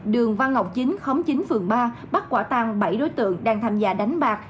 đường văn ngọc chín khóm chín phường ba bắt quả tang bảy đối tượng đang tham gia đánh bạc